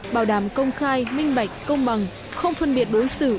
bảo đảm công khai minh bạch công bằng không phân biệt đối xử